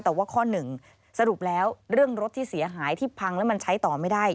แต่ว่าข้อหนึ่งสรุปแล้วเรื่องรถที่เสียหายที่พังแล้วมันใช้ต่อไม่ได้